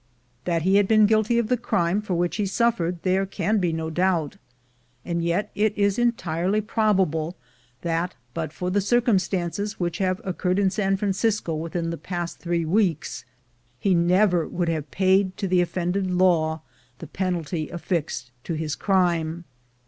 "That he had been guilty of the crime for which he suffered there can be no doubt ; and yet it is entirely probable that, but for the circumstances which have occurred in San Francisco within the past three weeks, he never would have paid to the offended law the penalty affixed to his crime.